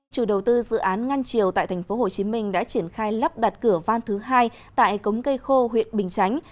chủ đầu tư dự án ngăn triều tại tp hcm đã triển khai lắp đặt cửa van thứ hai tại cống cây khô huyện bình chánh